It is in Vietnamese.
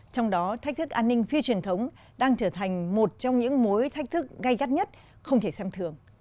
trong đó thách thức an ninh phi truyền thống đang trở thành một trong những mối thách thức gây gắt nhất không thể xem thường